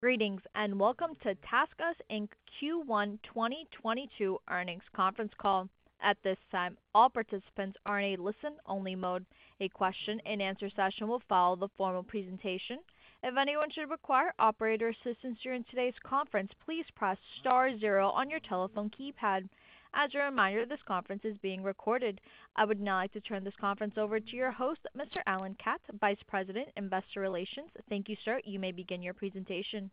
Greetings, and Welcome to TaskUs, Inc. Q1 2022 Earnings Conference Call. At this time, all participants are in a listen-only mode. A question and answer session will follow the formal presentation. If anyone should require operator assistance during today's conference, please press star zero on your telephone keypad. As a reminder, this conference is being recorded. I would now like to turn this conference over to your host, Mr. Alan Katz, Vice President, Investor Relations. Thank you, sir. You may begin your presentation.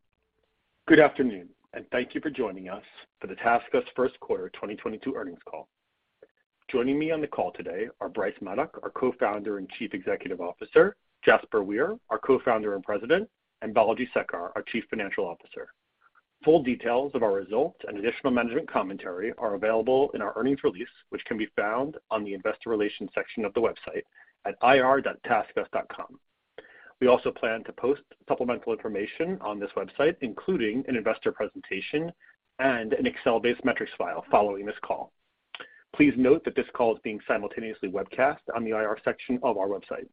Good afternoon, and thank you for joining us for the TaskUs Q1 2022 earnings call. Joining me on the call today are Bryce Maddock, our Co-founder and Chief Executive Officer, Jaspar Weir, our Co-founder and President, and Balaji Sekar, our Chief Financial Officer. Full details of our results and additional management commentary are available in our earnings release, which can be found on the investor relations section of the website at ir.taskus.com. We also plan to post supplemental information on this website, including an investor presentation and an Excel-based metrics file following this call. Please note that this call is being simultaneously webcast on the IR section of our website.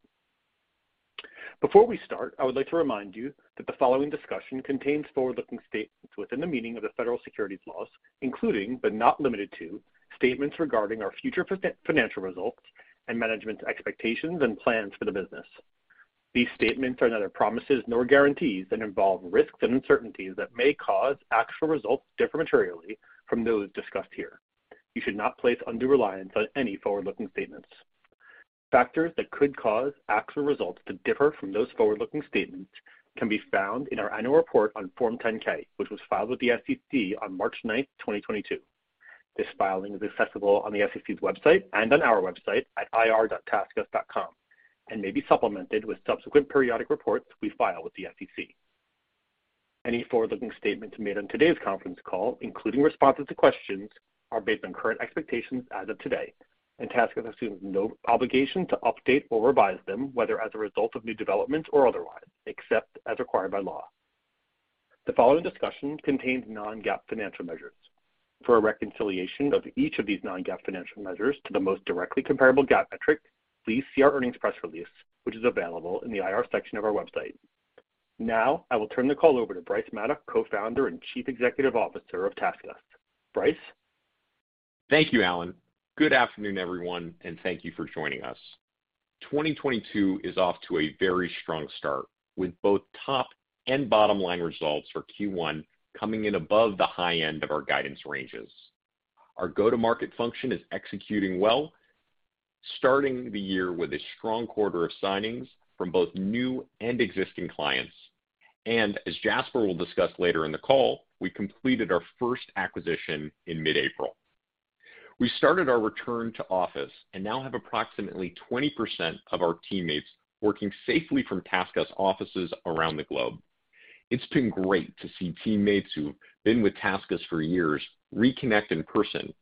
Before we start, I would like to remind you that the following discussion contains forward-looking statements within the meaning of the Federal Securities Laws, including, but not limited to, statements regarding our future financial results and management's expectations and plans for the business. These statements are neither promises nor guarantees and involve risks and uncertainties that may cause actual results to differ materially from those discussed here. You should not place undue reliance on any forward-looking statements. Factors that could cause actual results to differ from those forward-looking statements can be found in our annual report on Form 10-K, which was filed with the SEC on March ninth, 2022. This filing is accessible on the SEC's website and on our website at ir.taskus.com, and may be supplemented with subsequent periodic reports we file with the SEC. Any forward-looking statements made on today's conference call, including responses to questions, are based on current expectations as of today, and TaskUs assumes no obligation to update or revise them, whether as a result of new developments or otherwise, except as required by law. The following discussion contains non-GAAP financial measures. For a reconciliation of each of these non-GAAP financial measures to the most directly comparable GAAP metric, please see our earnings press release, which is available in the IR section of our website. Now, I will turn the call over to Bryce Maddock, Co-Founder and Chief Executive Officer of TaskUs. Bryce. Thank you, Alan. Good afternoon, everyone, and thank you for joining us. 2022 is off to a very strong start, with both top and bottom line results for Q1 coming in above the high end of our guidance ranges. Our go-to-market function is executing well, starting the year with a strong quarter of signings from both new and existing clients. As Jaspar will discuss later in the call, we completed our first acquisition in mid-April. We started our return to office and now have approximately 20% of our teammates working safely from TaskUs offices around the globe. It's been great to see teammates who've been with TaskUs for years reconnect in person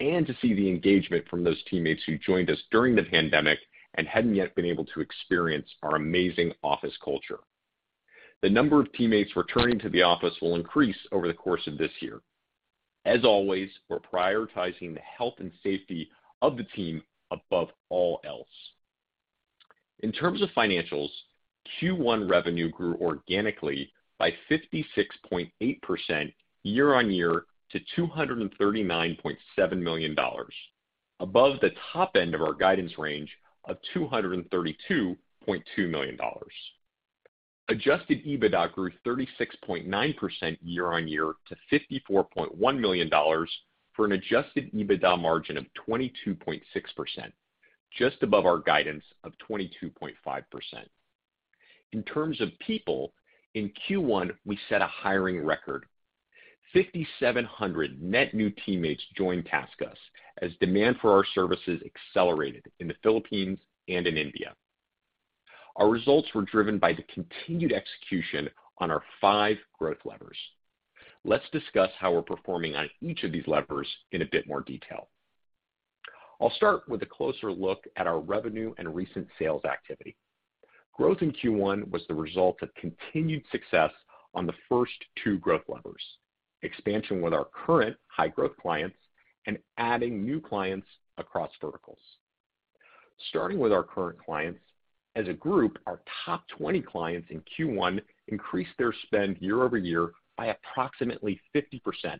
and to see the engagement from those teammates who joined us during the pandemic and hadn't yet been able to experience our amazing office culture. The number of teammates returning to the office will increase over the course of this year. As always, we're prioritizing the health and safety of the team above all else. In terms of financials, Q1 revenue grew organically by 56.8% year-over-year to $239.7 million, above the top end of our guidance range of $232.2 million. Adjusted EBITDA grew 36.9% year-over-year to $54.1 million, for an adjusted EBITDA margin of 22.6%, just above our guidance of 22.5%. In terms of people, in Q1, we set a hiring record. 5,700 net new teammates joined TaskUs as demand for our services accelerated in the Philippines and in India. Our results were driven by the continued execution on our five growth levers. Let's discuss how we're performing on each of these levers in a bit more detail. I'll start with a closer look at our revenue and recent sales activity. Growth in Q1 was the result of continued success on the first two growth levers, expansion with our current high growth clients and adding new clients across verticals. Starting with our current clients, as a group, our top 20 clients in Q1 increased their spend year-over-year by approximately 50%,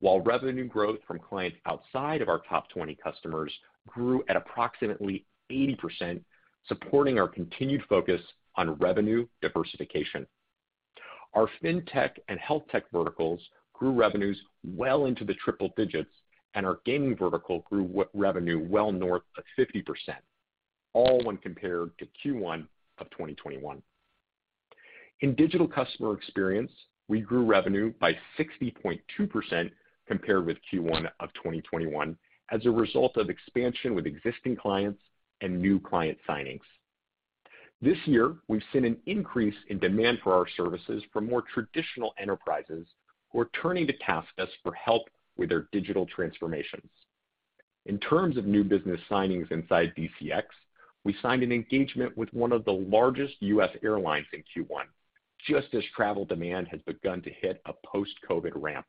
while revenue growth from clients outside of our top 20 customers grew at approximately 80%, supporting our continued focus on revenue diversification. Our fintech and health tech verticals grew revenues well into the triple digits, and our gaming vertical grew revenue well north of 50%, all when compared to Q1 of 2021. In Digital Customer Experience, we grew revenue by 60.2% compared with Q1 of 2021 as a result of expansion with existing clients and new client signings. This year, we've seen an increase in demand for our services from more traditional enterprises who are turning to TaskUs for help with their digital transformations. In terms of new business signings inside DCX, we signed an engagement with one of the largest U.S. airlines in Q1, just as travel demand has begun to hit a post-COVID ramp.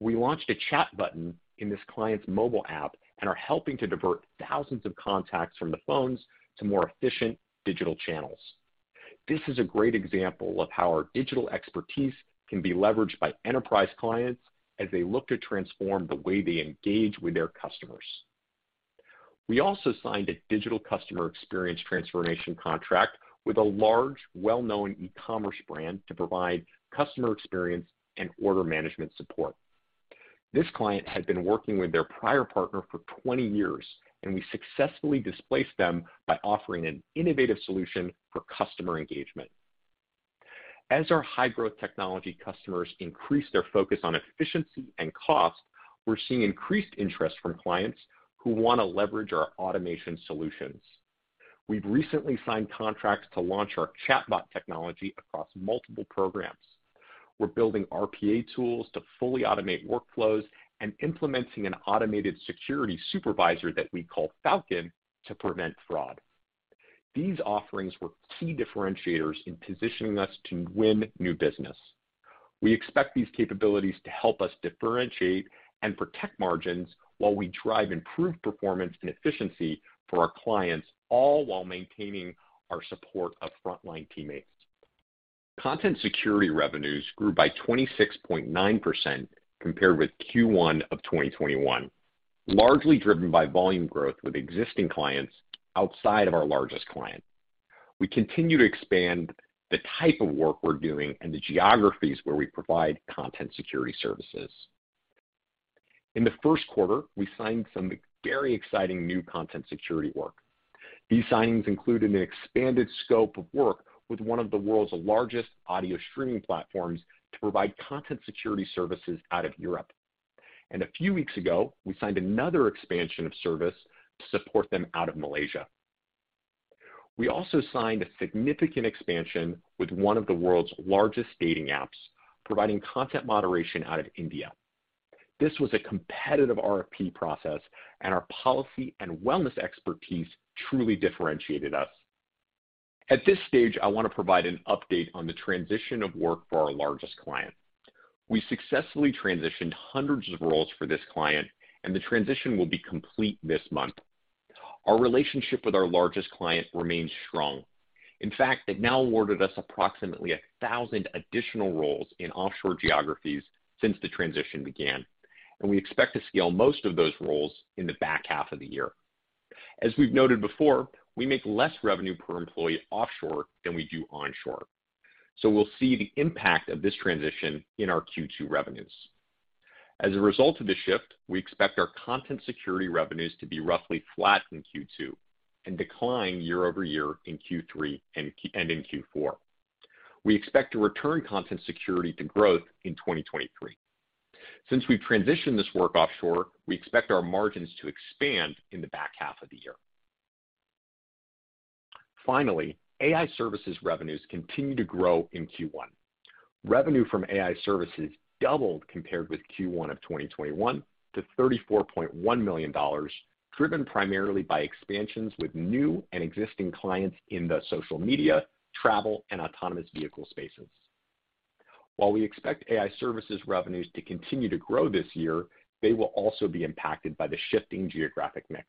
We launched a chat button in this client's mobile app and are helping to divert thousands of contacts from the phones to more efficient digital channels. This is a great example of how our digital expertise can be leveraged by enterprise clients as they look to transform the way they engage with their customers. We also signed a digital customer experience transformation contract with a large, well-known e-commerce brand to provide customer experience and order management support. This client had been working with their prior partner for 20 years, and we successfully displaced them by offering an innovative solution for customer engagement. As our high-growth technology customers increase their focus on efficiency and cost, we're seeing increased interest from clients who wanna leverage our automation solutions. We've recently signed contracts to launch our chatbot technology across multiple programs. We're building RPA tools to fully automate workflows and implementing an automated security supervisor that we call Falcon to prevent fraud. These offerings were key differentiators in positioning us to win new business. We expect these capabilities to help us differentiate and protect margins while we drive improved performance and efficiency for our clients, all while maintaining our support of frontline teammates. Content Security revenues grew by 26.9% compared with Q1 of 2021, largely driven by volume growth with existing clients outside of our largest client. We continue to expand the type of work we're doing and the geographies where we provide Content Security services. In the Q1, we signed some very exciting new Content Security work. These signings included an expanded scope of work with one of the world's largest audio streaming platforms to provide Content Security services out of Europe. A few weeks ago, we signed another expansion of service to support them out of Malaysia. We also signed a significant expansion with one of the world's largest dating apps, providing content moderation out of India. This was a competitive RFP process, and our policy and wellness expertise truly differentiated us. At this stage, I wanna provide an update on the transition of work for our largest client. We successfully transitioned hundreds of roles for this client, and the transition will be complete this month. Our relationship with our largest client remains strong. In fact, they've now awarded us approximately 1,000 additional roles in offshore geographies since the transition began, and we expect to scale most of those roles in the back half of the year. As we've noted before, we make less revenue per employee offshore than we do onshore, so we'll see the impact of this transition in our Q2 revenues. As a result of the shift, we expect our Content Security revenues to be roughly flat in Q2 and decline year-over-year in Q3 and in Q4. We expect to return Content Security to growth in 2023. Since we transitioned this work offshore, we expect our margins to expand in the back half of the year. Finally, AI services revenues continued to grow in Q1. Revenue from AI services doubled compared with Q1 of 2021 to $34.1 million, driven primarily by expansions with new and existing clients in the social media, travel, and autonomous vehicle spaces. While we expect AI services revenues to continue to grow this year, they will also be impacted by the shifting geographic mix.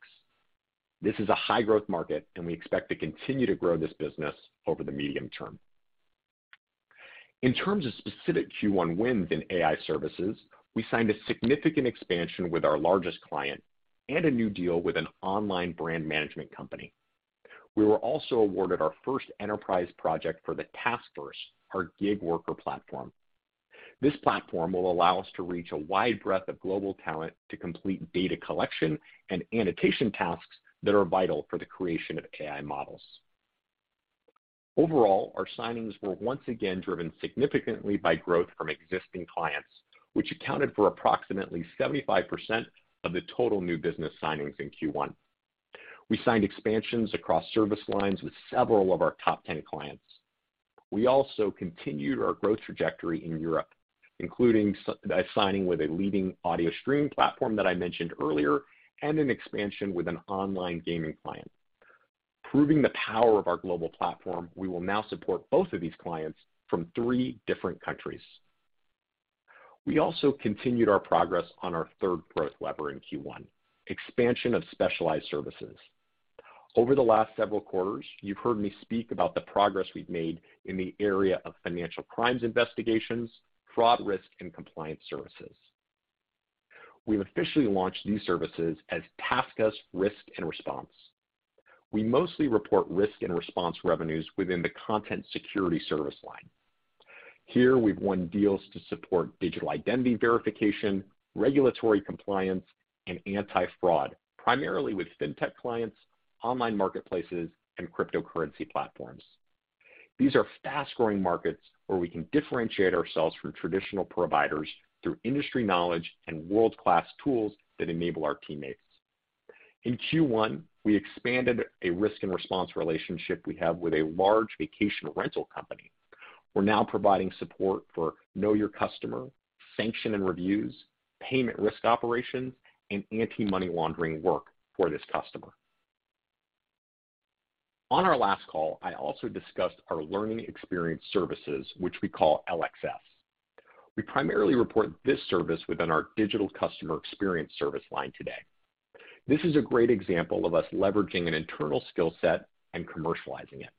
This is a high-growth market, and we expect to continue to grow this business over the medium term. In terms of specific Q1 wins in AI services, we signed a significant expansion with our largest client and a new deal with an online brand management company. We were also awarded our first enterprise project for the TaskForce, our gig worker platform. This platform will allow us to reach a wide breadth of global talent to complete data collection and annotation tasks that are vital for the creation of AI models. Overall, our signings were once again driven significantly by growth from existing clients, which accounted for approximately 75% of the total new business signings in Q1. We signed expansions across service lines with several of our top 10 clients. We also continued our growth trajectory in Europe, including signing with a leading audio streaming platform that I mentioned earlier and an expansion with an online gaming client. Proving the power of our global platform, we will now support both of these clients from three different countries. We also continued our progress on our third growth lever in Q1, expansion of specialized services. Over the last several quarters, you've heard me speak about the progress we've made in the area of financial crimes investigations, fraud risk, and compliance services. We've officially launched these services as TaskUs Risk and Response. We mostly report risk and response revenues within the Content Security service line. Here, we've won deals to support digital identity verification, regulatory compliance, and anti-fraud, primarily with fintech clients, online marketplaces, and cryptocurrency platforms. These are fast-growing markets where we can differentiate ourselves from traditional providers through industry knowledge and world-class tools that enable our teammates. In Q1, we expanded a risk and response relationship we have with a large vacation rental company. We're now providing support for know your customer, sanctions and reviews, payment risk operations, and anti-money laundering work for this customer. On our last call, I also discussed our learning experience services, which we call LXS. We primarily report this service within our digital customer experience service line today. This is a great example of us leveraging an internal skill set and commercializing it.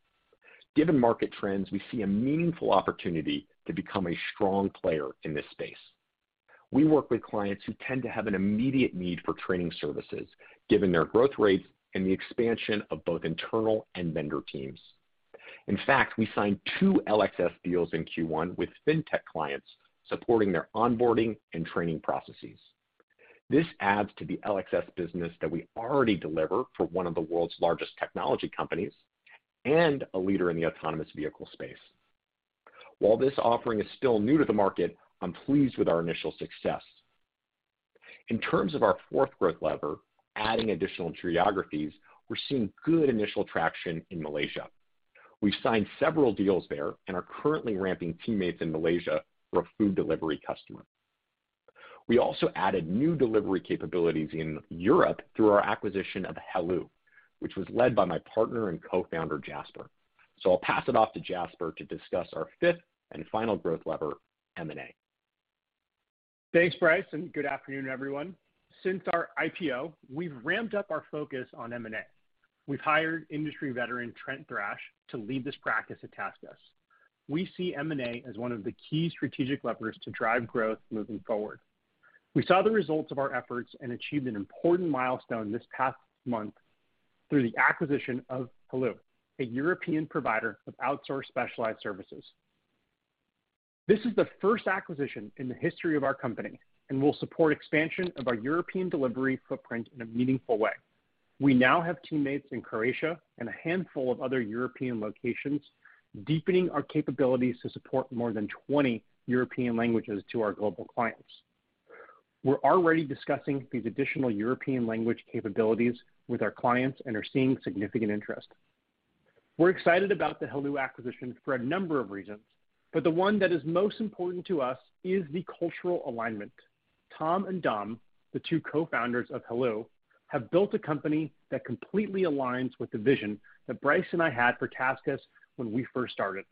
Given market trends, we see a meaningful opportunity to become a strong player in this space. We work with clients who tend to have an immediate need for training services given their growth rates and the expansion of both internal and vendor teams. In fact, we signed 2 LXS deals in Q1 with Fintech clients supporting their onboarding and training processes. This adds to the LXS business that we already deliver for one of the world's largest technology companies and a leader in the autonomous vehicle space. While this offering is still new to the market, I'm pleased with our initial success. In terms of our fourth growth lever, adding additional geographies, we're seeing good initial traction in Malaysia. We've signed several deals there and are currently ramping teammates in Malaysia for a food delivery customer. We also added new delivery capabilities in Europe through our acquisition of Heloo, which was led by my partner and co-founder, Jaspar. I'll pass it off to Jaspar to discuss our fifth and final growth lever, M&A. Thanks, Bryce, and good afternoon, everyone. Since our IPO, we've ramped up our focus on M&A. We've hired industry veteran, Trent Thrash, to lead this practice at TaskUs. We see M&A as one of the key strategic levers to drive growth moving forward. We saw the results of our efforts and achieved an important milestone this past month through the acquisition of Heloo, a European provider of outsourced specialized services. This is the first acquisition in the history of our company and will support expansion of our European delivery footprint in a meaningful way. We now have teammates in Croatia and a handful of other European locations, deepening our capabilities to support more than 20 European languages to our global clients. We're already discussing these additional European language capabilities with our clients and are seeing significant interest. We're excited about the Heloo acquisition for a number of reasons, but the one that is most important to us is the cultural alignment. Tom and Dom, the two co-founders of Heloo, have built a company that completely aligns with the vision that Bryce and I had for TaskUs when we first started.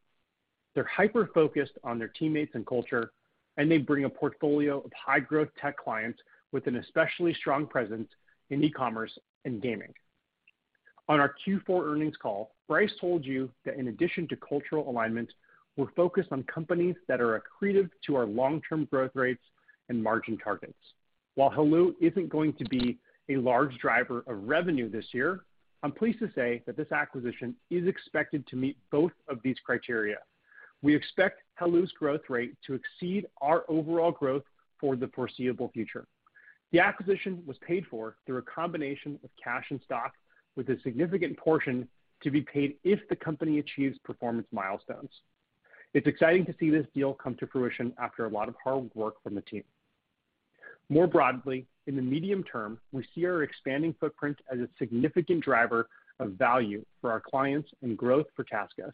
They're hyper-focused on their teammates and culture, and they bring a portfolio of high-growth tech clients with an especially strong presence in e-commerce and gaming. On our Q4 earnings call, Bryce told you that in addition to cultural alignment, we're focused on companies that are accretive to our long-term growth rates and margin targets. While Heloo isn't going to be a large driver of revenue this year, I'm pleased to say that this acquisition is expected to meet both of these criteria. We expect Heloo's growth rate to exceed our overall growth for the foreseeable future. The acquisition was paid for through a combination of cash and stock, with a significant portion to be paid if the company achieves performance milestones. It's exciting to see this deal come to fruition after a lot of hard work from the team. More broadly, in the medium term, we see our expanding footprint as a significant driver of value for our clients and growth for TaskUs.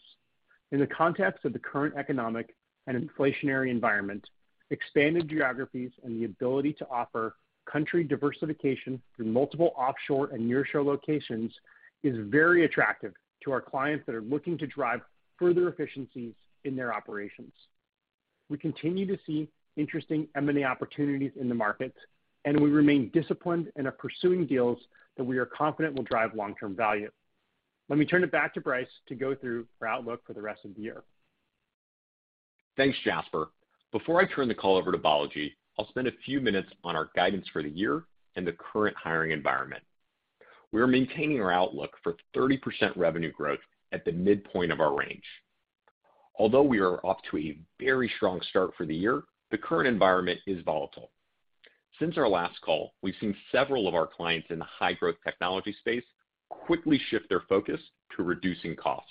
In the context of the current economic and inflationary environment, expanded geographies and the ability to offer country diversification through multiple offshore and nearshore locations is very attractive to our clients that are looking to drive further efficiencies in their operations. We continue to see interesting M&A opportunities in the market, and we remain disciplined and are pursuing deals that we are confident will drive long-term value. Let me turn it back to Bryce to go through our outlook for the rest of the year. Thanks, Jaspar. Before I turn the call over to Balaji, I'll spend a few minutes on our guidance for the year and the current hiring environment. We are maintaining our outlook for 30% revenue growth at the midpoint of our range. Although we are off to a very strong start for the year, the current environment is volatile. Since our last call, we've seen several of our clients in the high-growth technology space quickly shift their focus to reducing cost.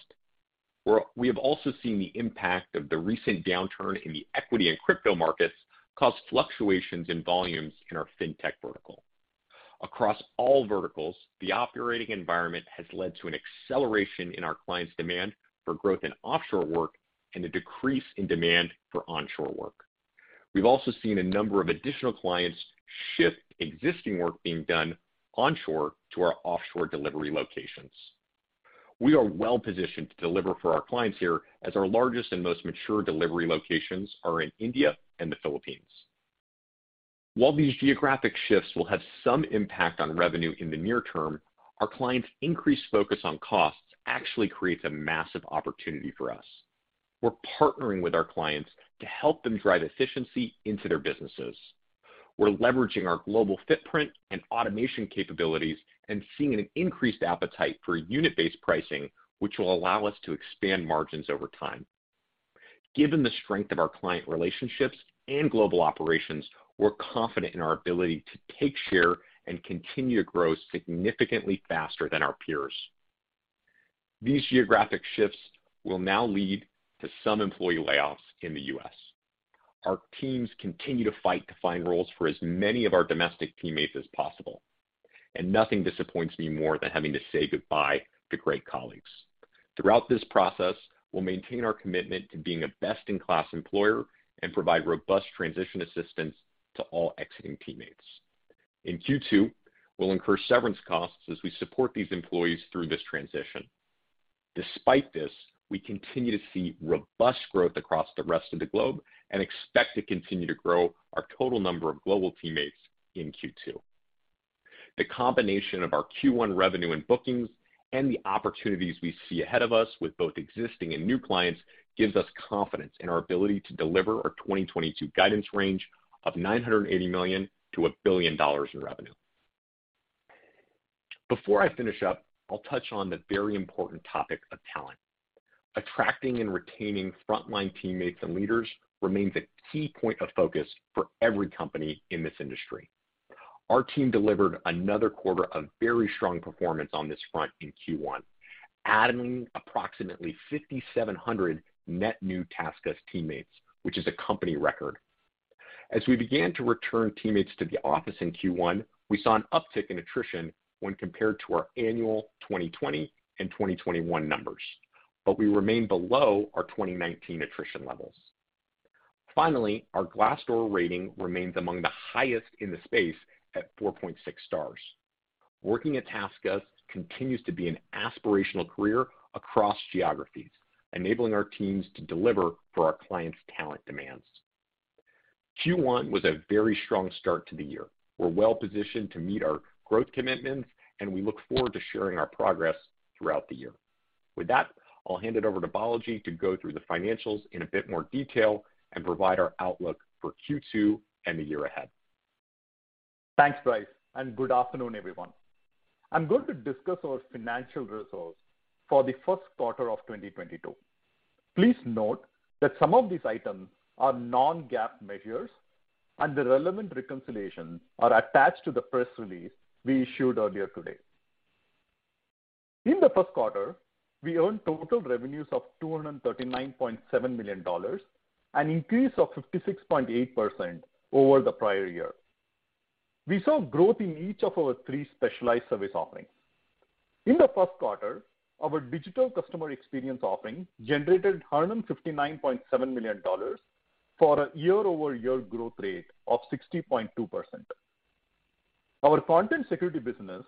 We have also seen the impact of the recent downturn in the equity and crypto markets cause fluctuations in volumes in our Fintech vertical. Across all verticals, the operating environment has led to an acceleration in our clients' demand for growth in offshore work and a decrease in demand for onshore work. We've also seen a number of additional clients shift existing work being done onshore to our offshore delivery locations. We are well-positioned to deliver for our clients here as our largest and most mature delivery locations are in India and the Philippines. While these geographic shifts will have some impact on revenue in the near term, our clients' increased focus on costs actually creates a massive opportunity for us. We're partnering with our clients to help them drive efficiency into their businesses. We're leveraging our global footprint and automation capabilities and seeing an increased appetite for unit-based pricing, which will allow us to expand margins over time. Given the strength of our client relationships and global operations, we're confident in our ability to take share and continue to grow significantly faster than our peers. These geographic shifts will now lead to some employee layoffs in the U.S. Our teams continue to fight to find roles for as many of our domestic teammates as possible, and nothing disappoints me more than having to say goodbye to great colleagues. Throughout this process, we'll maintain our commitment to being a best-in-class employer and provide robust transition assistance to all exiting teammates. In Q2, we'll incur severance costs as we support these employees through this transition. Despite this, we continue to see robust growth across the rest of the globe and expect to continue to grow our total number of global teammates in Q2. The combination of our Q1 revenue and bookings and the opportunities we see ahead of us with both existing and new clients gives us confidence in our ability to deliver our 2022 guidance range of $980 million-$1 billion in revenue. Before I finish up, I'll touch on the very important topic of talent. Attracting and retaining frontline teammates and leaders remains a key point of focus for every company in this industry. Our team delivered another quarter of very strong performance on this front in Q1, adding approximately 5,700 net new TaskUs teammates, which is a company record. As we began to return teammates to the office in Q1, we saw an uptick in attrition when compared to our annual 2020 and 2021 numbers. We remain below our 2019 attrition levels. Finally, our Glassdoor rating remains among the highest in the space at 4.6 stars. Working at TaskUs continues to be an aspirational career across geographies, enabling our teams to deliver for our clients' talent demands. Q1 was a very strong start to the year. We're well-positioned to meet our growth commitments, and we look forward to sharing our progress throughout the year. With that, I'll hand it over to Balaji to go through the financials in a bit more detail and provide our outlook for Q2 and the year ahead. Thanks, Bryce, and good afternoon, everyone. I'm going to discuss our financial results for the Q1 of 2022. Please note that some of these items are non-GAAP measures and the relevant reconciliations are attached to the press release we issued earlier today. In the Q1, we earned total revenues of $239.7 million, an increase of 56.8% over the prior year. We saw growth in each of our three specialized service offerings. In the Q1, our digital customer experience offering generated $159.7 million for a year-over-year growth rate of 60.2%. Our content security business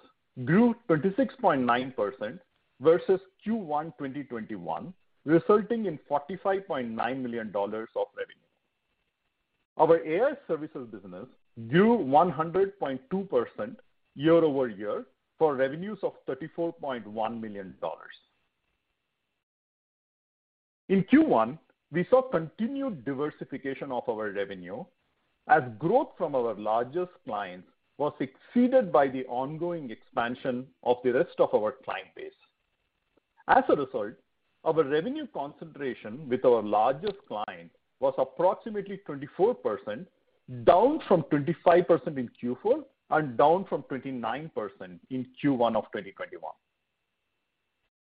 grew 26.9% versus Q1 2021, resulting in $45.9 million of revenue. Our AI Services business grew 100.2% year-over-year for revenues of $34.1 million. In Q1, we saw continued diversification of our revenue as growth from our largest clients was exceeded by the ongoing expansion of the rest of our client base. As a result, our revenue concentration with our largest client was approximately 24%, down from 25% in Q4 and down from 29% in Q1 of 2021.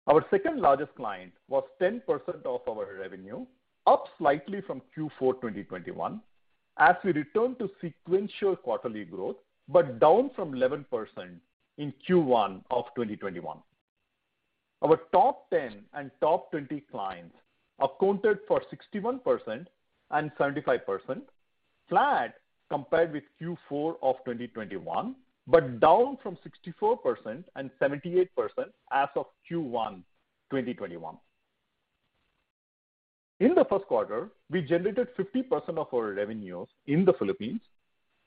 Our second largest client was 10% of our revenue, up slightly from Q4 2021 as we return to sequential quarterly growth, but down from 11% in Q1 of 2021. Our top ten and top twenty clients accounted for 61% and 75%, flat compared with Q4 of 2021, but down from 64% and 78% as of Q1 2021. In the Q1, we generated 50% of our revenues in the Philippines,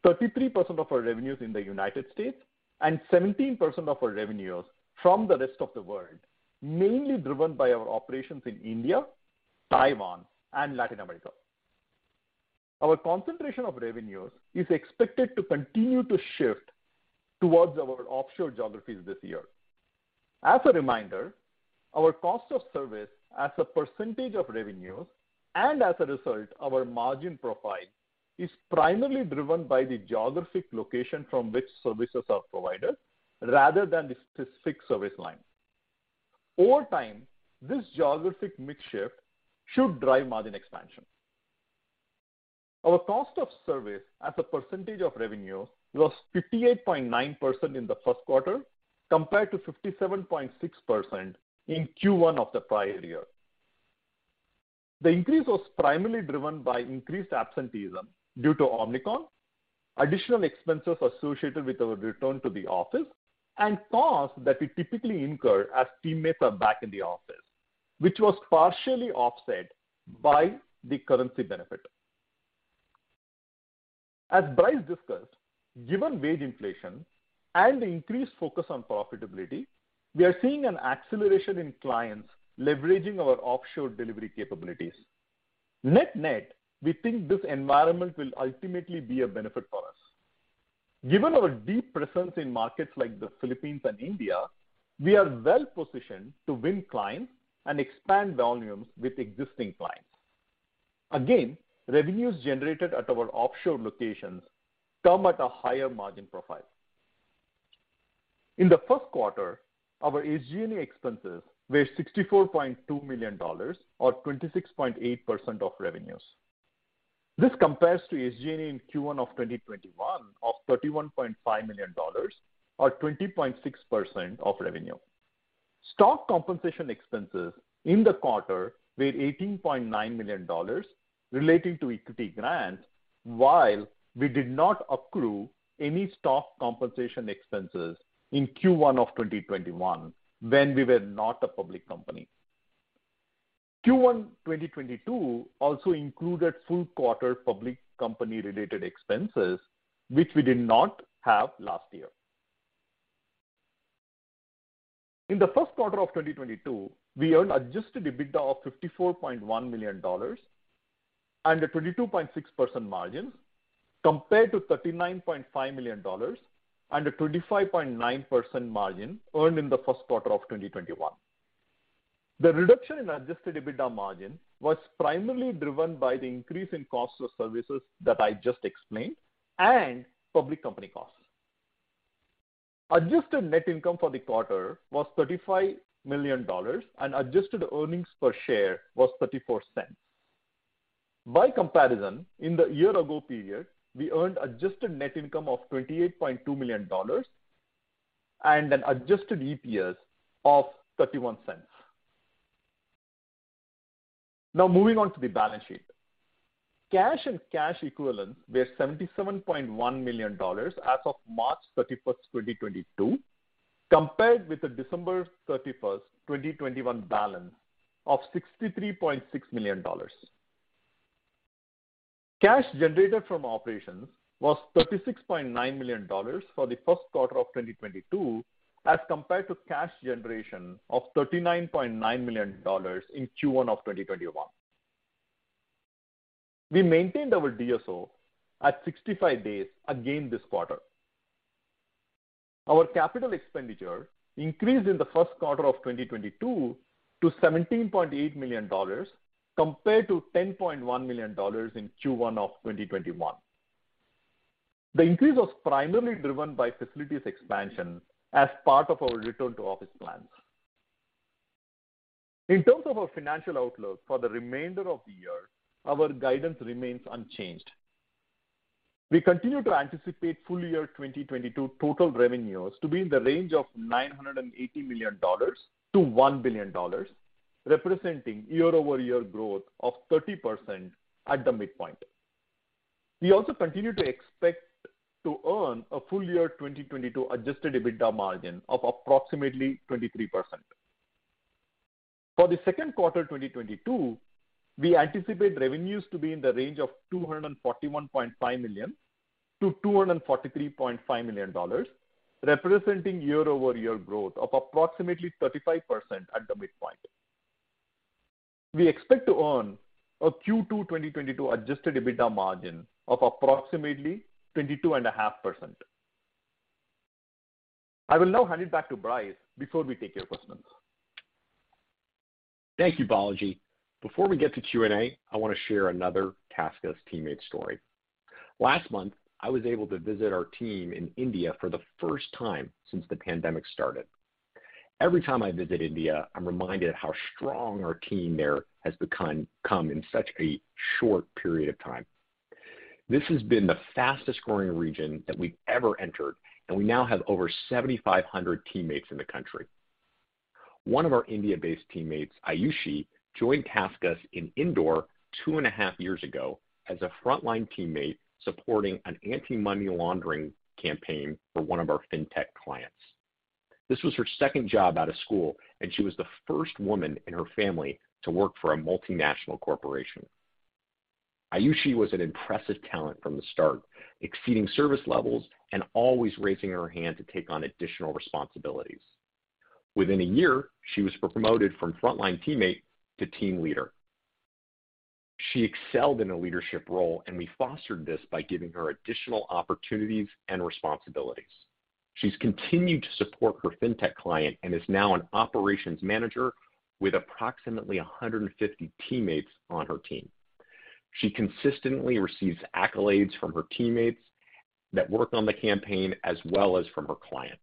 33% of our revenues in the United States, and 17% of our revenues from the rest of the world, mainly driven by our operations in India, Taiwan, and Latin America. Our concentration of revenues is expected to continue to shift towards our offshore geographies this year. As a reminder, our cost of service as a percentage of revenues, and as a result, our margin profile, is primarily driven by the geographic location from which services are provided rather than the specific service line. Over time, this geographic mix shift should drive margin expansion. Our cost of service as a percentage of revenue was 58.9% in the Q1, compared to 57.6% in Q1 of the prior year. The increase was primarily driven by increased absenteeism due to Omicron, additional expenses associated with our return to the office, and costs that we typically incur as teammates are back in the office, which was partially offset by the currency benefit. As Bryce discussed, given wage inflation and the increased focus on profitability, we are seeing an acceleration in clients leveraging our offshore delivery capabilities. Net-net, we think this environment will ultimately be a benefit for us. Given our deep presence in markets like the Philippines and India, we are well-positioned to win clients and expand volumes with existing clients. Again, revenues generated at our offshore locations come at a higher margin profile. In the Q1, our SG&A expenses were $64.2 million or 26.8% of revenues. This compares to SG&A in Q1 of 2021 of $31.5 million or 20.6% of revenue. Stock compensation expenses in the quarter were $18.9 million relating to equity grants. While we did not accrue any stock compensation expenses in Q1 of 2021 when we were not a public company. Q1 2022 also included full quarter public company-related expenses, which we did not have last year. In the Q1 of 2022, we earned Adjusted EBITDA of $54.1 million and a 22.6% margin compared to $39.5 million and a 25.9% margin earned in the Q1 of 2021. The reduction in Adjusted EBITDA margin was primarily driven by the increase in cost of services that I just explained and public company costs. Adjusted net income for the quarter was $35 million, and adjusted earnings per share was $0.34. By comparison, in the year ago period, we earned adjusted net income of $28.2 million and an adjusted EPS of $0.31. Now moving on to the balance sheet. Cash and cash equivalents were $77.1 million as of March 31st, 2022, compared with the December 31st, 2021 balance of $63.6 million. Cash generated from operations was $36.9 million for the Q1 of 2022 as compared to cash generation of $39.9 million in Q1 of 2021. We maintained our DSO at 65 days again this quarter. Our capital expenditure increased in the Q1 of 2022 to $17.8 million compared to $10.1 million in Q1 of 2021. The increase was primarily driven by facilities expansion as part of our return to office plans. In terms of our financial outlook for the remainder of the year, our guidance remains unchanged. We continue to anticipate full year 2022 total revenues to be in the range of $980 million-$1 billion, representing year-over-year growth of 30% at the midpoint. We also continue to expect to earn a full year 2022 Adjusted EBITDA margin of approximately 23%. For the Q2 2022, we anticipate revenues to be in the range of $241.5 million-$243.5 million, representing year-over-year growth of approximately 35% at the midpoint. We expect to earn a Q2 2022 Adjusted EBITDA margin of approximately 22.5%. I will now hand it back to Bryce before we take your questions. Thank you, Balaji. Before we get to Q&A, I want to share another TaskUs teammate story. Last month, I was able to visit our team in India for the first time since the pandemic started. Every time I visit India, I'm reminded of how strong our team there has become in such a short period of time. This has been the fastest growing region that we've ever entered, and we now have over 7,500 teammates in the country. One of our India-based teammates, Ayushi, joined TaskUs in Indore two and a half years ago as a frontline teammate supporting an anti-money laundering campaign for one of our fintech clients. This was her second job out of school, and she was the first woman in her family to work for a multinational corporation. Ayushi was an impressive talent from the start, exceeding service levels and always raising her hand to take on additional responsibilities. Within a year, she was promoted from frontline teammate to team leader. She excelled in a leadership role, and we fostered this by giving her additional opportunities and responsibilities. She's continued to support her fintech client and is now an operations manager with approximately 150 teammates on her team. She consistently receives accolades from her teammates that work on the campaign as well as from her client.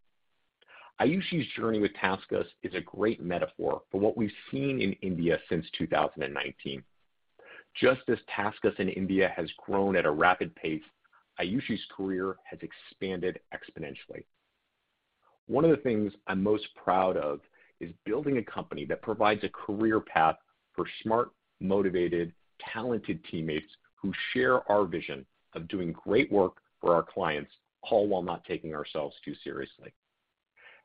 Ayushi's journey with TaskUs is a great metaphor for what we've seen in India since 2019. Just as TaskUs in India has grown at a rapid pace, Ayushi's career has expanded exponentially. One of the things I'm most proud of is building a company that provides a career path for smart, motivated, talented teammates who share our vision of doing great work for our clients, all while not taking ourselves too seriously.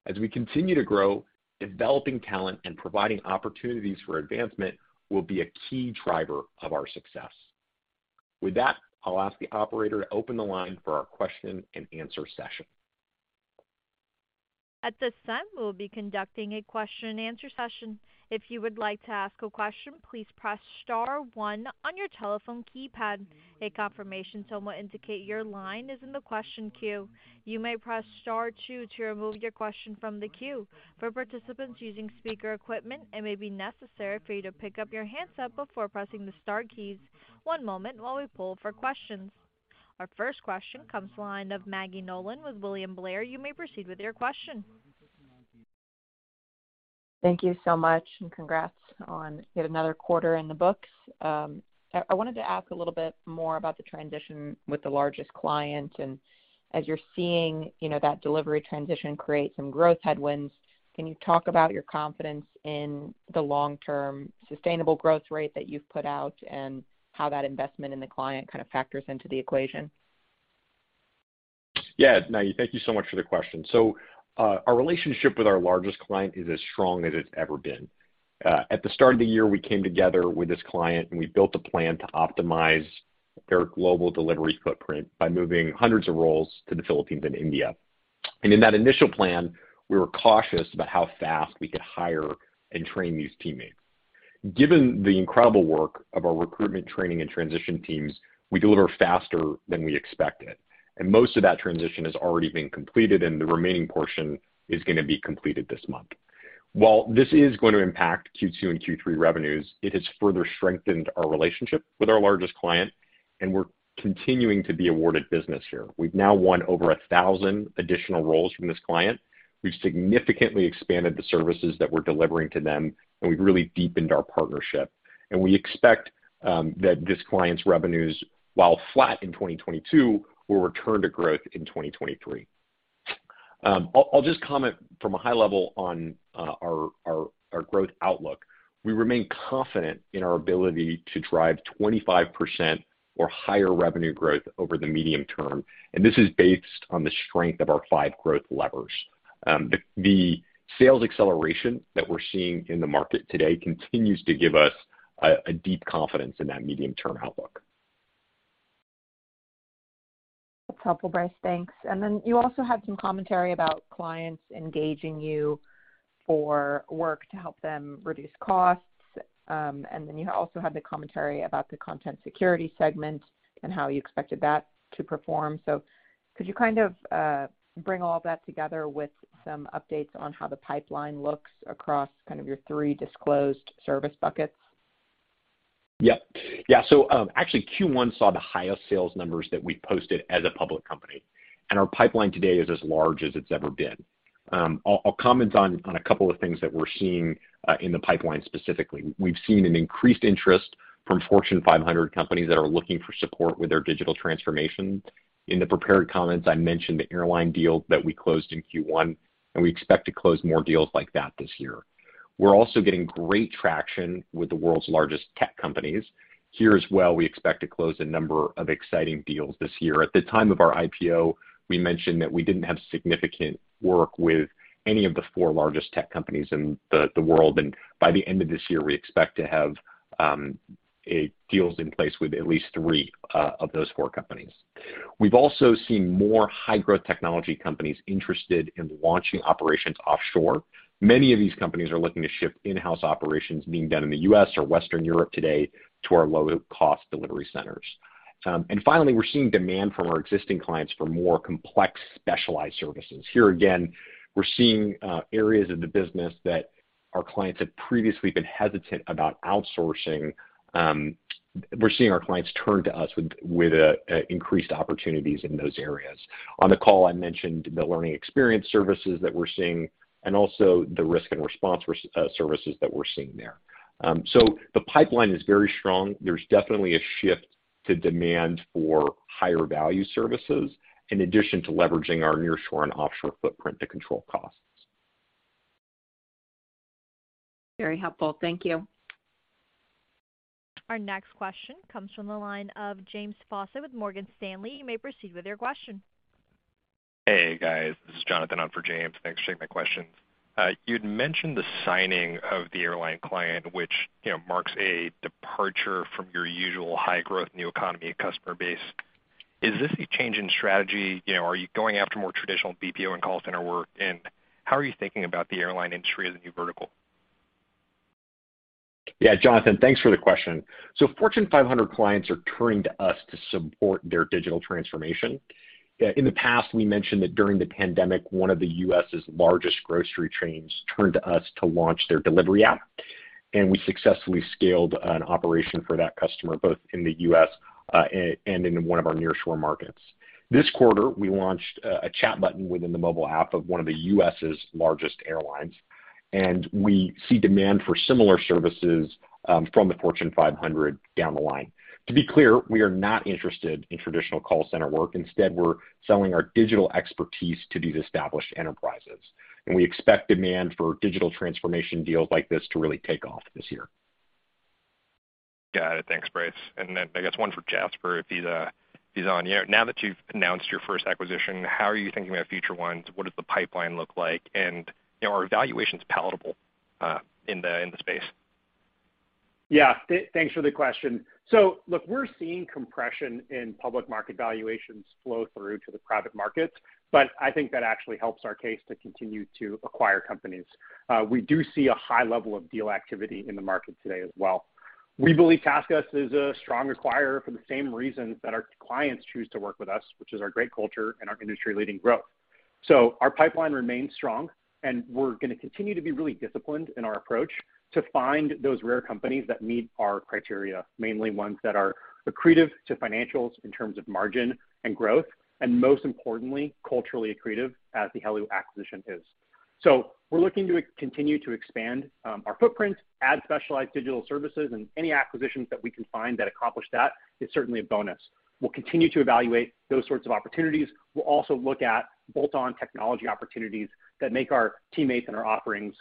As we continue to grow, developing talent and providing opportunities for advancement will be a key driver of our success. With that, I'll ask the operator to open the line for our question and answer session. At this time, we will be conducting a question and answer session. If you would like to ask a question, please press star one on your telephone keypad. A confirmation tone will indicate your line is in the question queue. You may press star two to remove your question from the queue. For participants using speaker equipment, it may be necessary for you to pick up your handset before pressing the star keys. One moment while we pull for questions. Our first question comes to the line of Maggie Nolan with William Blair. You may proceed with your question. Thank you so much, and congrats on yet another quarter in the books. I wanted to ask a little bit more about the transition with the largest client, and as you're seeing, you know, that delivery transition create some growth headwinds. Can you talk about your confidence in the long-term sustainable growth rate that you've put out and how that investment in the client kind of factors into the equation? Yeah. Maggie, thank you so much for the question. Our relationship with our largest client is as strong as it's ever been. At the start of the year, we came together with this client, and we built a plan to optimize their global delivery footprint by moving hundreds of roles to the Philippines and India. In that initial plan, we were cautious about how fast we could hire and train these teammates. Given the incredible work of our recruitment training and transition teams, we delivered faster than we expected, and most of that transition has already been completed, and the remaining portion is gonna be completed this month. While this is going to impact Q2 and Q3 revenues, it has further strengthened our relationship with our largest client, and we're continuing to be awarded business here. We've now won over 1,000 additional roles from this client. We've significantly expanded the services that we're delivering to them, and we've really deepened our partnership. We expect that this client's revenues while flat in 2022 will return to growth in 2023. I'll just comment from a high level on our growth outlook. We remain confident in our ability to drive 25% or higher revenue growth over the medium term, and this is based on the strength of our five growth levers. The sales acceleration that we're seeing in the market today continues to give us a deep confidence in that medium-term outlook. That's helpful, Bryce. Thanks. You also had some commentary about clients engaging you for work to help them reduce costs. You also had the commentary about the Content Security Segment and how you expected that to perform. Could you kind of bring all that together with some updates on how the pipeline looks across kind of your three disclosed service buckets? Yeah. Actually, Q1 saw the highest sales numbers that we've posted as a public company, and our pipeline today is as large as it's ever been. I'll comment on a couple of things that we're seeing in the pipeline specifically. We've seen an increased interest from Fortune 500 companies that are looking for support with their digital transformation. In the prepared comments, I mentioned the airline deal that we closed in Q1, and we expect to close more deals like that this year. We're also getting great traction with the world's largest tech companies. Here as well, we expect to close a number of exciting deals this year. At the time of our IPO, we mentioned that we didn't have significant work with any of the four largest tech companies in the world, and by the end of this year, we expect to have deals in place with at least three of those four companies. We've also seen more high-growth technology companies interested in launching operations offshore. Many of these companies are looking to ship in-house operations being done in the U.S. or Western Europe today to our low-cost delivery centers. Finally, we're seeing demand from our existing clients for more complex specialized services. Here again, we're seeing areas of the business that our clients have previously been hesitant about outsourcing. We're seeing our clients turn to us with increased opportunities in those areas. On the call, I mentioned the learning experience services that we're seeing and also the risk and response services that we're seeing there. The pipeline is very strong. There's definitely a shift to demand for higher value services in addition to leveraging our nearshore and offshore footprint to control costs. Very helpful. Thank you. Our next question comes from the line of James Faucette with Morgan Stanley. You may proceed with your question. Hey, guys. This is Jonathan on for James. Thanks for taking my questions. You'd mentioned the signing of the airline client, which, you know, marks a departure from your usual high-growth new economy customer base. Is this a change in strategy? You know, are you going after more traditional BPO and call center work? How are you thinking about the airline industry as a new vertical? Yeah. Jonathan, thanks for the question. Fortune 500 clients are turning to us to support their digital transformation. In the past, we mentioned that during the pandemic, one of the U.S.'s largest grocery chains turned to us to launch their delivery app, and we successfully scaled an operation for that customer, both in the U.S. and in one of our nearshore markets. This quarter, we launched a chat button within the mobile app of one of the U.S.'s largest airlines, and we see demand for similar services from the Fortune 500 down the line. To be clear, we are not interested in traditional call center work. Instead, we're selling our digital expertise to these established enterprises, and we expect demand for digital transformation deals like this to really take off this year. Got it. Thanks, Bryce. Then I guess one for Jaspar if he's on. You know, now that you've announced your first acquisition, how are you thinking about future ones? What does the pipeline look like? You know, are valuations palatable in the space? Yeah. Thanks for the question. Look, we're seeing compression in public market valuations flow through to the private markets, but I think that actually helps our case to continue to acquire companies. We do see a high level of deal activity in the market today as well. We believe TaskUs is a strong acquirer for the same reasons that our clients choose to work with us, which is our great culture and our industry-leading growth. Our pipeline remains strong, and we're gonna continue to be really disciplined in our approach to find those rare companies that meet our criteria, mainly ones that are accretive to financials in terms of margin and growth, and most importantly, culturally accretive as the Heloo acquisition is. We're looking to continue to expand our footprint, add specialized digital services, and any acquisitions that we can find that accomplish that is certainly a bonus. We'll continue to evaluate those sorts of opportunities. We'll also look at bolt-on technology opportunities that make our teammates and our offerings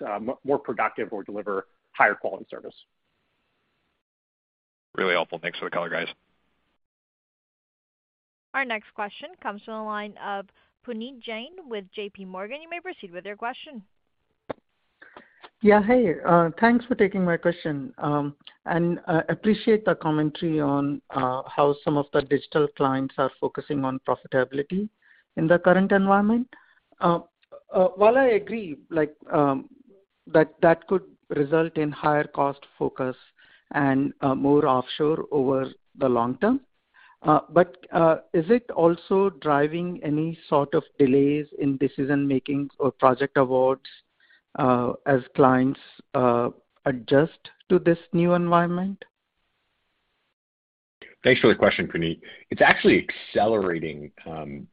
more productive or deliver higher quality service. Really helpful. Thanks for the color, guys. Our next question comes from the line of Puneet Jain with JPMorgan. You may proceed with your question. Thanks for taking my question and appreciate the commentary on how some of the digital clients are focusing on profitability in the current environment. While I agree that could result in higher cost focus and more offshore over the long term, is it also driving any sort of delays in decision-making or project awards as clients adjust to this new environment? Thanks for the question, Puneet. It's actually accelerating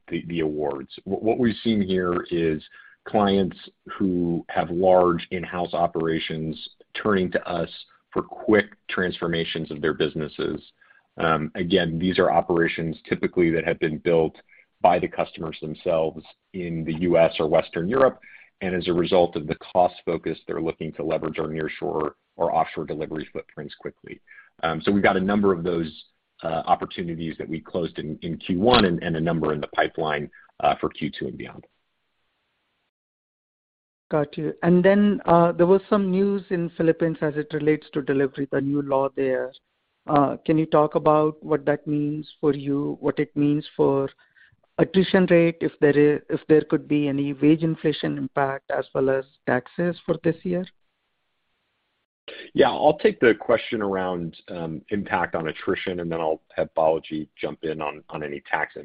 the awards. What we've seen here is clients who have large in-house operations turning to us for quick transformations of their businesses. Again, these are operations typically that have been built by the customers themselves in the US or Western Europe, and as a result of the cost focus, they're looking to leverage our nearshore or offshore delivery footprints quickly. So we've got a number of those opportunities that we closed in Q1 and a number in the pipeline for Q2 and beyond. Got you. There was some news in Philippines as it relates to delivery, the new law there. Can you talk about what that means for you? What it means for attrition rate, if there could be any wage inflation impact as well as taxes for this year? Yeah. I'll take the question around impact on attrition, and then I'll have Balaji jump in on any tax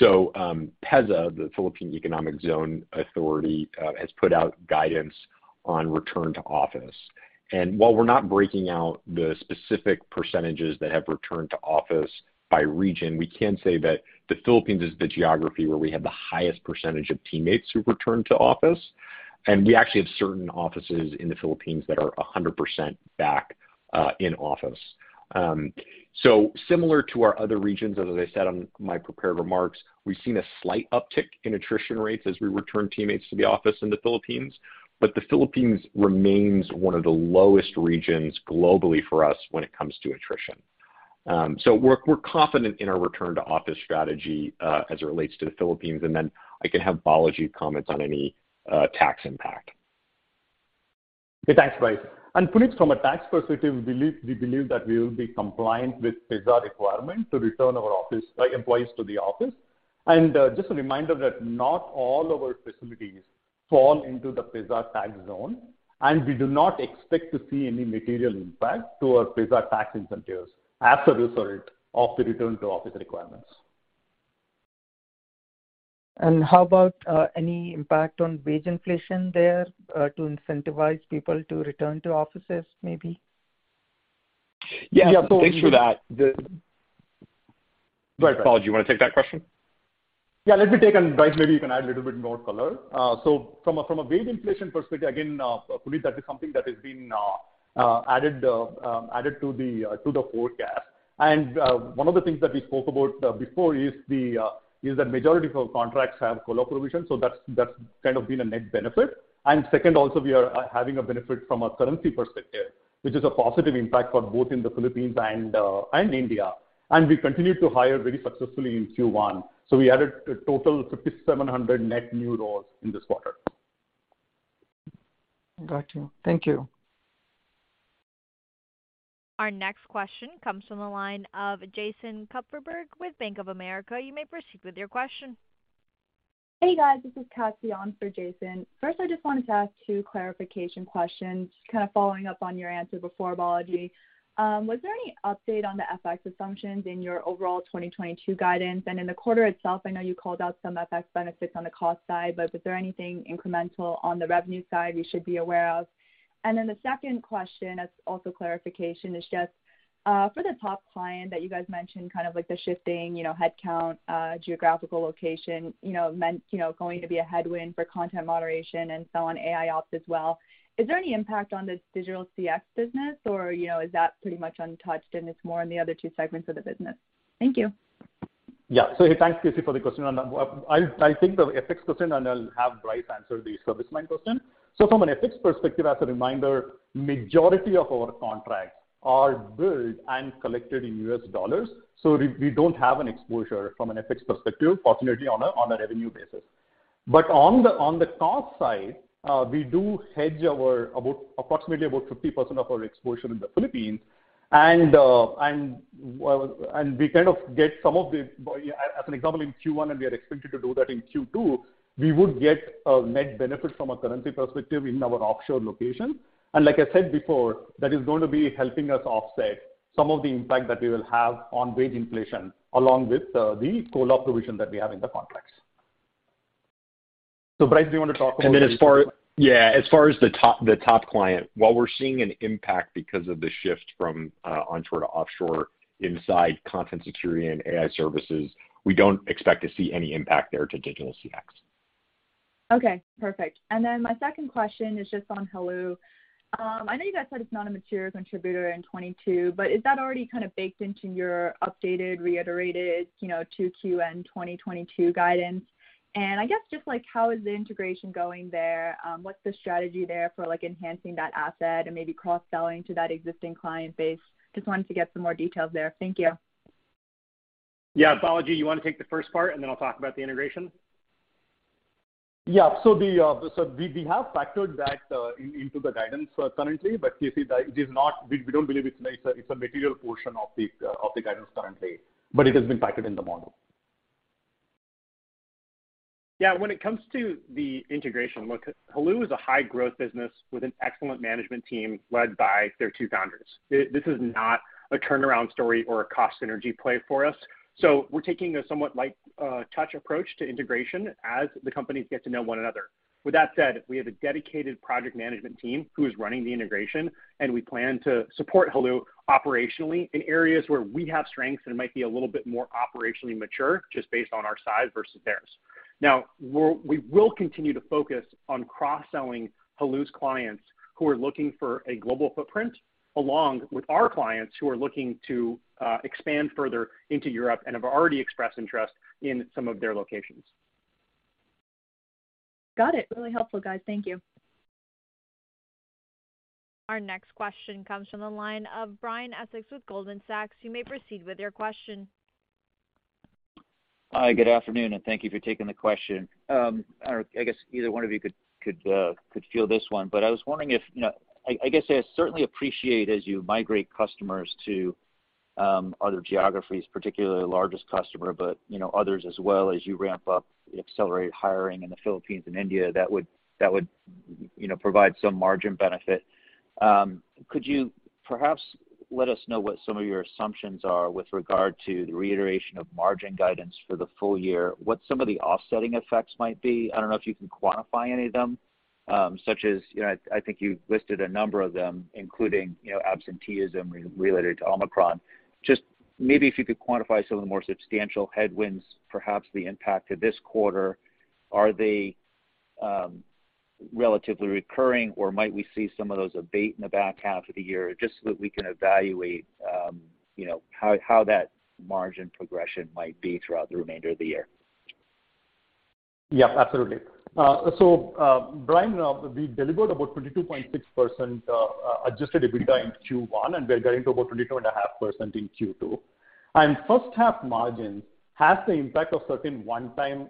impact. PEZA, the Philippine Economic Zone Authority, has put out guidance on return to office. While we're not breaking out the specific percentages that have returned to office by region, we can say that the Philippines is the geography where we have the highest percentage of teammates who've returned to office, and we actually have certain offices in the Philippines that are 100% back in office. Similar to our other regions, as I said on my prepared remarks, we've seen a slight uptick in attrition rates as we return teammates to the office in the Philippines. The Philippines remains one of the lowest regions globally for us when it comes to attrition. We're confident in our return to office strategy as it relates to the Philippines, and then I can have Balaji comment on any tax impact. Yeah. Thanks, Bryce. Puneet, from a tax perspective, we believe that we will be compliant with PEZA requirement to return our office employees to the office. Just a reminder that not all our facilities fall into the PEZA tax zone, and we do not expect to see any material impact to our PEZA tax incentives as a result of the return to office requirements. How about any impact on wage inflation there to incentivize people to return to offices maybe? Yeah. Yeah. Thanks for that. Right. Balaji, do you wanna take that question? Yeah, let me take, and Bryce, maybe you can add a little bit more color. So from a wage inflation perspective, again, Puneet, that is something that has been added to the forecast. One of the things that we spoke about before is that majority of our contracts have COLA provisions, so that's kind of been a net benefit. Second, also we are having a benefit from a currency perspective, which is a positive impact for both in the Philippines and India. We continued to hire very successfully in Q1, so we added a total 5,700 net new roles in this quarter. Got you. Thank you. Our next question comes from the line of Jason Kupferberg with Bank of America. You may proceed with your question. Hey, guys. This is Cassie on for Jason. First, I just wanted to ask two clarification questions, kind of following up on your answer before, Balaji. Was there any update on the FX assumptions in your overall 2022 guidance? And in the quarter itself, I know you called out some FX benefits on the cost side, but was there anything incremental on the revenue side we should be aware of? Then the second question is also clarification. It's just for the top client that you guys mentioned, kind of like the shifting, you know, headcount, geographical location, you know, meant, you know, going to be a headwind for content moderation and so on, AIOps as well. Is there any impact on the digital CX business or, you know, is that pretty much untouched and it's more on the other two segments of the business? Thank you. Yeah. Thanks, Cassie, for the question. I'll, I think the FX question, and I'll have Bryce answer the service line question. From an FX perspective, as a reminder, majority of our contracts are billed and collected in U.S. dollars. We don't have an exposure from an FX perspective, fortunately on a revenue basis. But on the cost side, we do hedge our approximately 50% of our exposure in the Philippines and we kind of get some of the. As an example in Q1, and we are expected to do that in Q2, we would get a net benefit from a currency perspective in our offshore location. Like I said before, that is going to be helping us offset some of the impact that we will have on wage inflation, along with the COLA provision that we have in the contracts. Bryce, do you wanna talk about- As far as the top client, while we're seeing an impact because of the shift from onshore to offshore inside Content Security and AI Services, we don't expect to see any impact there to digital CX. Okay, perfect. Then my second question is just on Heloo. I know you guys said it's not a material contributor in 2022, but is that already kind of baked into your updated, reiterated, you know, 2Q and 2022 guidance? I guess just like how is the integration going there? What's the strategy there for like enhancing that asset and maybe cross-selling to that existing client base? Just wanted to get some more details there. Thank you. Yeah. Balaji, you wanna take the first part, and then I'll talk about the integration. We have factored that into the guidance currently, but Cassie, that is not. We don't believe it's a material portion of the guidance currently. It has been factored in the model. Yeah. When it comes to the integration, look, Heloo is a high growth business with an excellent management team led by their two founders. This is not a turnaround story or a cost synergy play for us. We're taking a somewhat light touch approach to integration as the companies get to know one another. With that said, we have a dedicated project management team who is running the integration, and we plan to support Heloo operationally in areas where we have strengths and might be a little bit more operationally mature just based on our size versus theirs. Now, we will continue to focus on cross-selling Heloo's clients who are looking for a global footprint, along with our clients who are looking to expand further into Europe and have already expressed interest in some of their locations. Got it. Really helpful, guys. Thank you. Our next question comes from the line of Brian Essex with Goldman Sachs. You may proceed with your question. Hi, good afternoon, and thank you for taking the question. I don't know, I guess either one of you could field this one, but I was wondering if, you know, I guess I certainly appreciate as you migrate customers to other geographies, particularly the largest customer, but, you know, others as well as you ramp up, accelerate hiring in the Philippines and India, that would you know, provide some margin benefit. Could you perhaps let us know what some of your assumptions are with regard to the reiteration of margin guidance for the full year? What some of the offsetting effects might be? I don't know if you can quantify any of them, such as, you know, I think you listed a number of them, including, you know, absenteeism related to Omicron. Just maybe if you could quantify some of the more substantial headwinds, perhaps the impact to this quarter. Are they relatively recurring, or might we see some of those abate in the back half of the year? Just so that we can evaluate, you know, how that margin progression might be throughout the remainder of the year. Yeah, absolutely. So, Brian, we delivered about 22.6% adjusted EBITDA in Q1, and we are guiding to about 22.5% in Q2. First half margins has the impact of certain one-time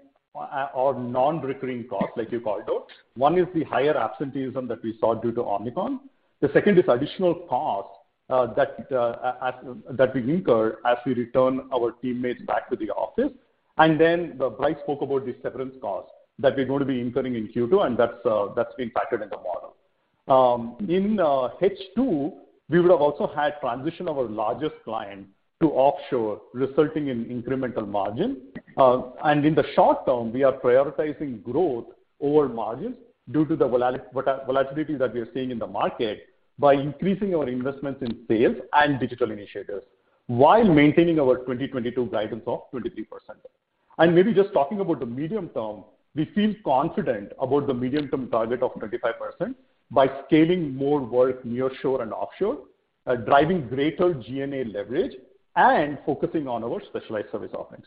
or non-recurring costs like you called out. One is the higher absenteeism that we saw due to Omicron. The second is additional costs that we incurred as we return our teammates back to the office. Then, Bryce spoke about the severance costs that we're gonna be incurring in Q2, and that's being factored in the model. In H2, we would have also had transition of our largest client to offshore, resulting in incremental margin. In the short term, we are prioritizing growth over margins due to the volatility that we are seeing in the market by increasing our investments in sales and digital initiatives while maintaining our 2022 guidance of 23%. Maybe just talking about the medium term, we feel confident about the medium-term target of 25% by scaling more work near shore and offshore, driving greater G&A leverage and focusing on our specialized service offerings.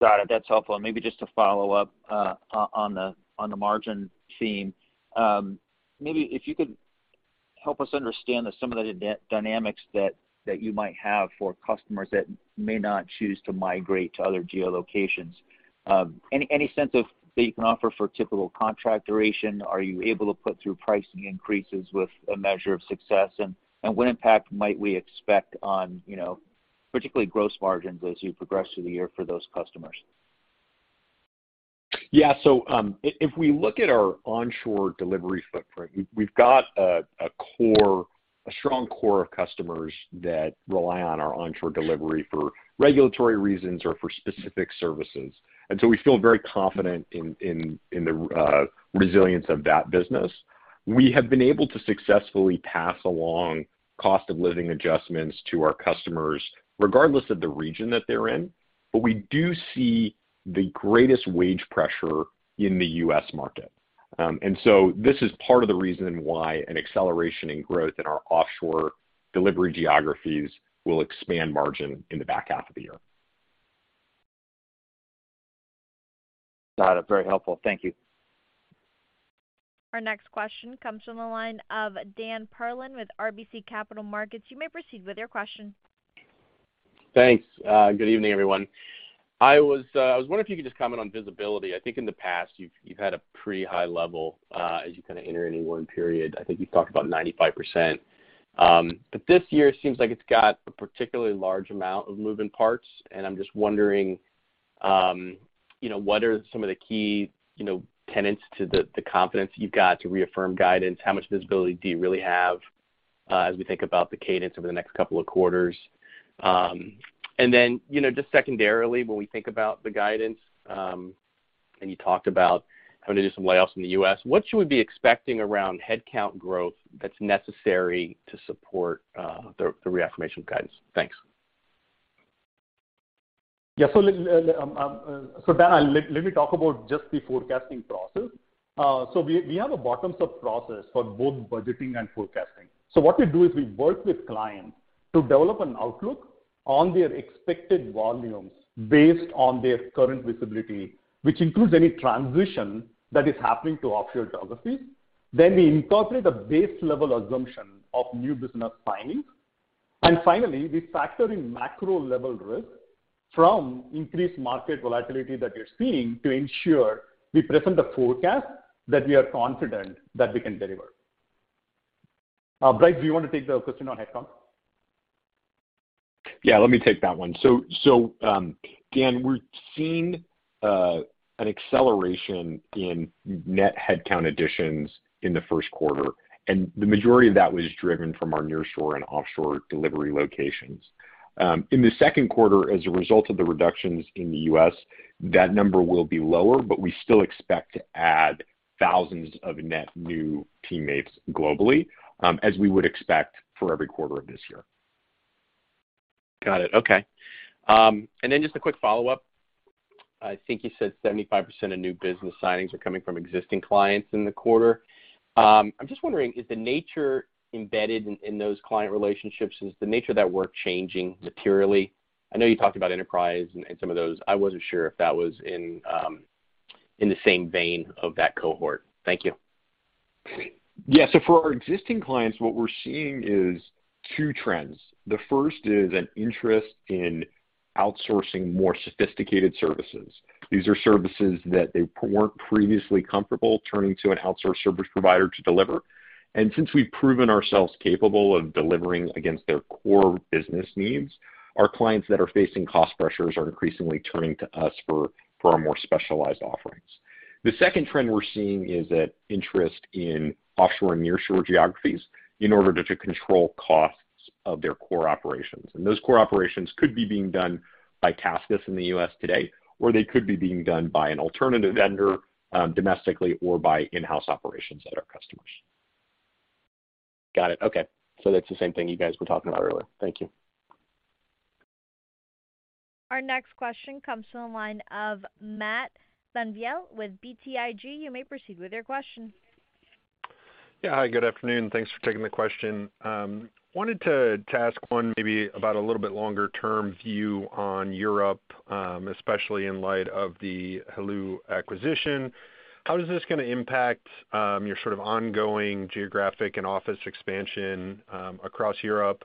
Got it. That's helpful. Maybe just to follow up on the margin theme. Maybe if you could help us understand some of the dynamics that you might have for customers that may not choose to migrate to other geolocations. Any sense of that you can offer for typical contract duration? Are you able to put through pricing increases with a measure of success? What impact might we expect on, you know, particularly gross margins as you progress through the year for those customers? Yeah. If we look at our onshore delivery footprint, we've got a strong core of customers that rely on our onshore delivery for regulatory reasons or for specific services. We feel very confident in the resilience of that business. We have been able to successfully pass along cost of living adjustments to our customers regardless of the region that they're in. We do see the greatest wage pressure in the U.S. market. This is part of the reason why an acceleration in growth in our offshore delivery geographies will expand margin in the back half of the year. Got it. Very helpful. Thank you. Our next question comes from the line of Dan Perlin with RBC Capital Markets. You may proceed with your question. Thanks. Good evening, everyone. I was wondering if you could just comment on visibility. I think in the past, you've had a pretty high level as you kind of enter any one period. I think you've talked about 95%. This year it seems like it's got a particularly large amount of moving parts, and I'm just wondering you know, what are some of the key you know, tenets to the confidence you've got to reaffirm guidance? How much visibility do you really have as we think about the cadence over the next couple of quarters? You know, just secondarily, when we think about the guidance, You talked about having to do some layoffs in the U.S. What should we be expecting around headcount growth that's necessary to support the reaffirmation guidance? Thanks. Yeah. Dan, let me talk about just the forecasting process. We have a bottoms-up process for both budgeting and forecasting. What we do is we work with clients to develop an outlook on their expected volumes based on their current visibility, which includes any transition that is happening to offshore geographies. We incorporate a base level assumption of new business signings. Finally, we factor in macro level risk from increased market volatility that we're seeing to ensure we present the forecast that we are confident that we can deliver. Bryce, do you wanna take the question on headcount? Yeah, let me take that one. Dan, we're seeing an acceleration in net headcount additions in the Q1, and the majority of that was driven from our nearshore and offshore delivery locations. In the second quarter, as a result of the reductions in the US, that number will be lower, but we still expect to add thousands of net new teammates globally, as we would expect for every quarter of this year. Got it. Okay. Just a quick follow-up. I think you said 75% of new business signings are coming from existing clients in the quarter. I'm just wondering, is the nature embedded in those client relationships, is the nature of that work changing materially? I know you talked about enterprise and some of those. I wasn't sure if that was in the same vein of that cohort. Thank you. Yeah. For our existing clients, what we're seeing is two trends. The first is an interest in outsourcing more sophisticated services. These are services that they weren't previously comfortable turning to an outsourced service provider to deliver. Since we've proven ourselves capable of delivering against their core business needs, our clients that are facing cost pressures are increasingly turning to us for our more specialized offerings. The second trend we're seeing is that interest in offshore and nearshore geographies in order to control costs of their core operations, and those core operations could be being done by TaskUs in the U.S. today, or they could be being done by an alternative vendor, domestically or by in-house operations at our customers. Got it. Okay. That's the same thing you guys were talking about earlier. Thank you. Our next question comes from the line of Matt VanVliet with BTIG. You may proceed with your question. Yeah. Hi, good afternoon. Thanks for taking the question. Wanted to ask one maybe about a little bit longer-term view on Europe, especially in light of the Heloo acquisition. How is this gonna impact your sort of ongoing geographic and office expansion across Europe?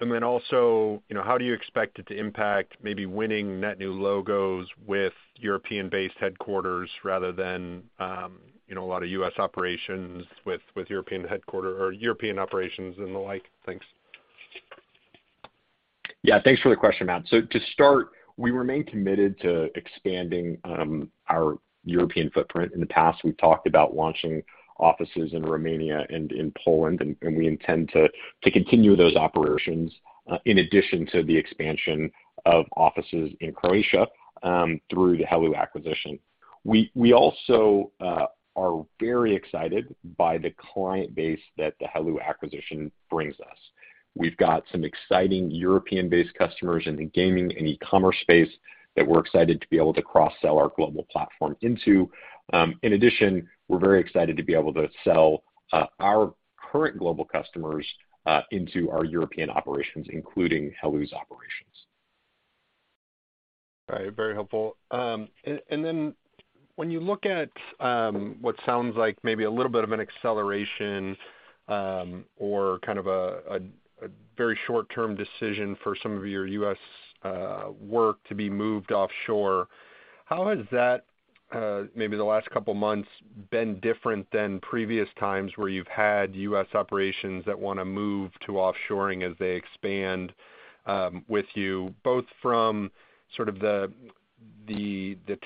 And then also, you know, how do you expect it to impact maybe winning net new logos with European-based headquarters rather than, you know, a lot of US operations with European headquarters or European operations and the like? Thanks. Yeah. Thanks for the question, Matt. To start, we remain committed to expanding our European footprint. In the past, we've talked about launching offices in Romania and in Poland, and we intend to continue those operations in addition to the expansion of offices in Croatia through the Heloo acquisition. We also are very excited by the client base that the Heloo acquisition brings us. We've got some exciting European-based customers in the gaming and e-commerce space that we're excited to be able to cross-sell our global platform into. In addition, we're very excited to be able to sell our current global customers into our European operations, including Heloo's operations. All right, very helpful. When you look at what sounds like maybe a little bit of an acceleration or kind of a very short-term decision for some of your U.S. work to be moved offshore, how has that maybe the last couple months been different than previous times where you've had U.S. operations that wanna move to offshoring as they expand with you, both from sort of the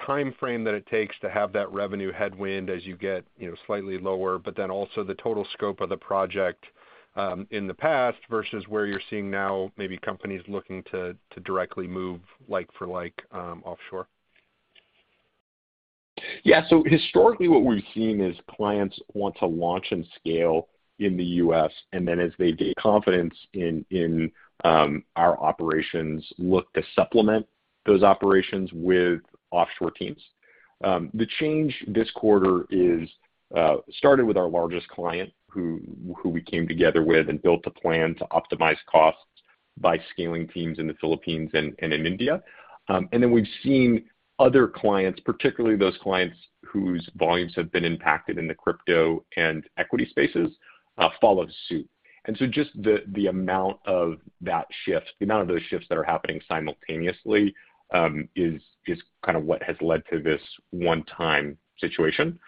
timeframe that it takes to have that revenue headwind as you get you know slightly lower, but then also the total scope of the project in the past versus where you're seeing now maybe companies looking to directly move like for like offshore? Yeah. Historically, what we've seen is clients want to launch and scale in the U.S., and then as they gain confidence in our operations, look to supplement those operations with offshore teams. The change this quarter is started with our largest client who we came together with and built a plan to optimize costs by scaling teams in the Philippines and in India. Then we've seen other clients, particularly those clients whose volumes have been impacted in the crypto and equity spaces, follow suit. Just the amount of that shift, the amount of those shifts that are happening simultaneously, is kind of what has led to this one-time situation.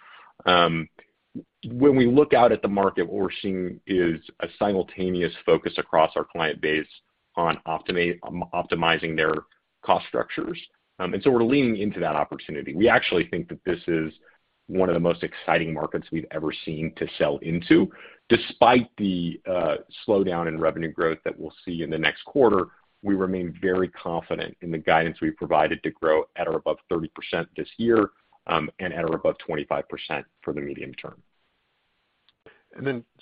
When we look out at the market, what we're seeing is a simultaneous focus across our client base on optimizing their cost structures. We're leaning into that opportunity. We actually think that this is one of the most exciting markets we've ever seen to sell into. Despite the slowdown in revenue growth that we'll see in the next quarter, we remain very confident in the guidance we've provided to grow at or above 30% this year, and at or above 25% for the medium term.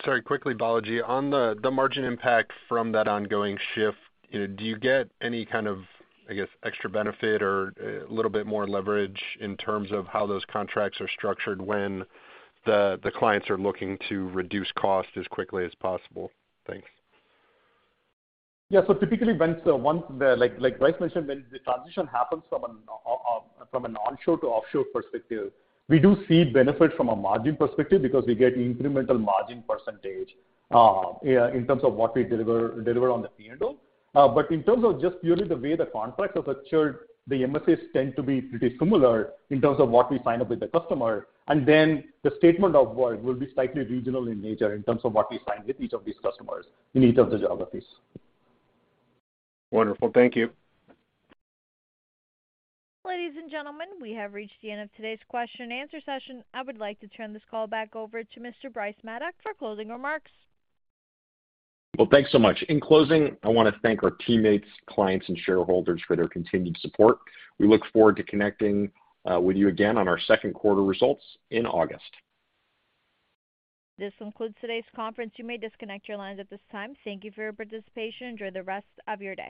Sorry, quickly, Balaji, on the margin impact from that ongoing shift, you know, do you get any kind of, I guess, extra benefit or a little bit more leverage in terms of how those contracts are structured when the clients are looking to reduce cost as quickly as possible? Thanks. Typically, like Bryce mentioned, when the transition happens from an onshore to offshore perspective, we do see benefit from a margin perspective because we get incremental margin percentage in terms of what we deliver on the P&L. In terms of just purely the way the contract is structured, the MSAs tend to be pretty similar in terms of what we sign up with the customer, and then the statement of work will be slightly regional in nature in terms of what we sign with each of these customers in each of the geographies. Wonderful. Thank you. Ladies and gentlemen, we have reached the end of today's question and answer session. I would like to turn this call back over to Mr. Bryce Maddock for closing remarks. Well, thanks so much. In closing, I wanna thank our teammates, clients, and shareholders for their continued support. We look forward to connecting with you again on our Q2 results in August. This concludes today's conference. You may disconnect your lines at this time. Thank you for your participation. Enjoy the rest of your day.